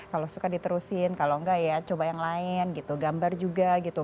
kalau suka diterusin kalau enggak ya coba yang lain gitu gambar juga gitu